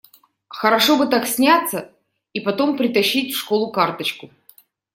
Хорошо бы так сняться и потом притащить в школу карточку!